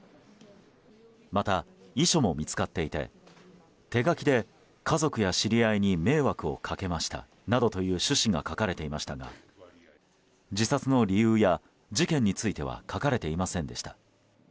また、遺書も見つかっていて手書きで、家族や知り合いに迷惑をかけましたなどという趣旨が書かれていましたが自殺の理由や事件については書かれていませんでした。